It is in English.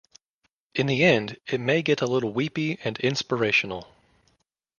In the end it may get a little weepy and inspirational.